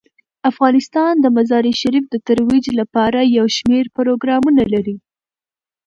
افغانستان د مزارشریف د ترویج لپاره یو شمیر پروګرامونه لري.